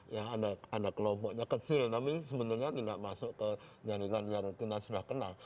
ya ada kelompoknya kecil tapi sebenarnya tidak masuk ke jaringan yang kita sudah kenal